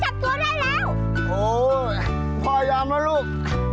โหพ่อย่ำแล้วลูก